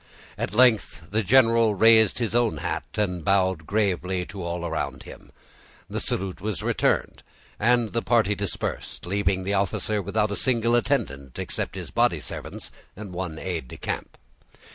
At length the general raised his own hat, and bowed gravely to all around him. The salute was returned, and the party dispersed, leaving the officer without a single attendant, except his body servants and one aid de camp.